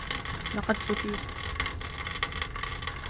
لقد شفيت